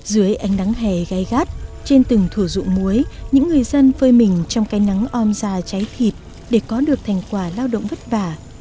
dưới ánh nắng hè gai gắt trên từng thủ dụng muối những người dân phơi mình trong cái nắng ôm ra cháy thịt để có được thành quả lao động vất vả